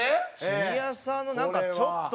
ジュニアさんなんかちょっと。